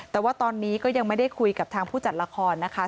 แต่ว่าตอนนี้ก็ยังไม่ได้คุยกับทางผู้จัดละครนะคะ